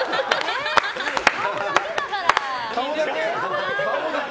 顔だけだから！